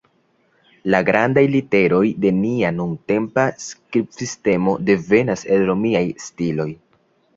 La grandaj literoj de nia nuntempa skribsistemo devenas el Romiaj stiloj.